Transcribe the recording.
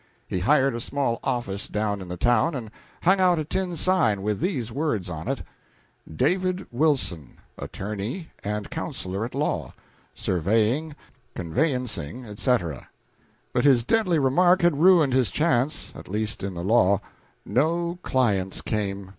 He hired a small office down in the town and hung out a tin sign with these words on it: DAVID WILSON. ATTORNEY AND COUNSELOR AT LAW. SURVEYING, CONVEYANCING, ETC. But his deadly remark had ruined his chance at least in the law. No clients came.